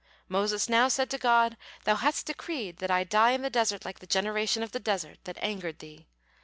Moses now said to God: "Thou hast decreed that I die in the desert like the generation of the desert that angered Thee.